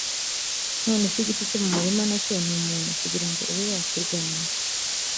none se igiti cyo mu murima na cyo ni umuntu, kugira ngo ube wakirwanya?